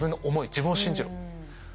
自分を信じろ。